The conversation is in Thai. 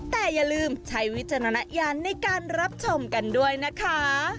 แต่อย่าลืมใช้วิจารณญาณในการรับชมกันด้วยนะคะ